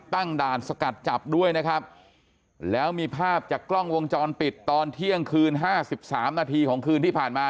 ตั้งด่านสกัดจับด้วยนะครับแล้วมีภาพจากกล้องวงจรปิดตอนเที่ยงคืนห้าสิบสามนาทีของคืนที่ผ่านมา